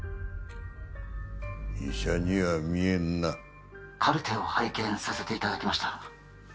医者には見えんなカルテを拝見させていただきました